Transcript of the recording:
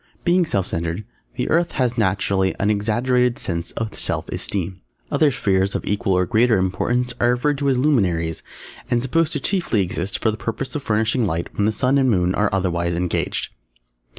Being self centred, the Earth has naturally an exaggerated sense of self esteem. Other Spheres of equal or greater importance are referred to as "Luminaries" and supposed to exist chiefly for the purpose of furnishing light when the Sun and Moon are otherwise engaged.